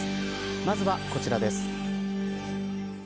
まずは、こちらです。